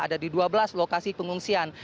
ada di dua belas lokasi pengungsian